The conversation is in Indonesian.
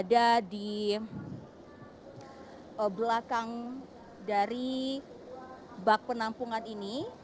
ada di belakang dari bak penampungan ini